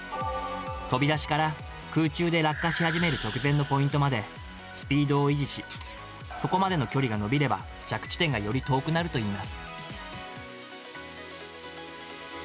飛び出しから空中で落下し始める直前のポイントまでスピードを維持し、そこまでの距離が伸びれば、着地点がより遠くなるといいます。